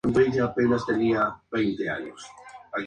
Se llevaron cámaras, computadoras, monitores y discos duros.